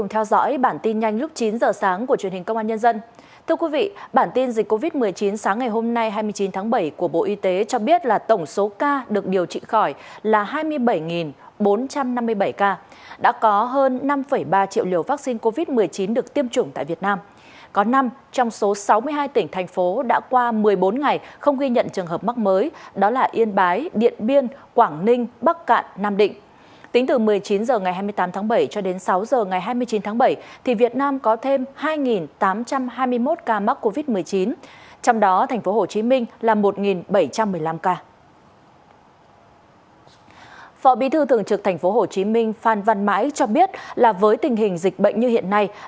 hãy đăng ký kênh để ủng hộ kênh của chúng mình nhé